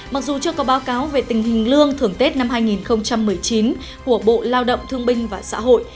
mặc dù chưa có báo cáo về tình hình lương thưởng tết năm hai nghìn một mươi chín của bộ lao động thương binh và xã hội